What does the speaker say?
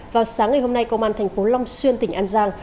vào sáng ngày hôm nay công an thành phố long xuyên tỉnh an giang